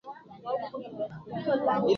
kati ya Uingereza na walowezi wa makoloni